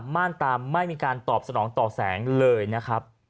ม่านตามไม่มีการตอบสนองต่อแสงเลยนะครับ